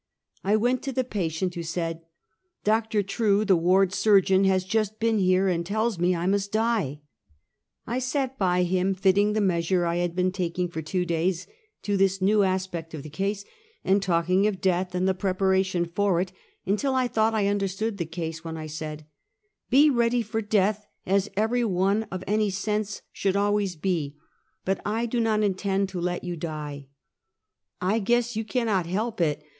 I went to the patient, who said: " Dr. True, the ward surgeon has just been here, and tells me I must die!" I sat by him fitting the measure I had been taking for two days to this new aspect of the case, and talk ing of death, and the preparation for it, until I thought I understood the case, when I said: " Be ready for death, as every one of any sense should always be; but I do not intend to let youMie." 282 Half a Century. '' I guess you cannot help it!